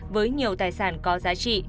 với nhiều tài sản có giá trị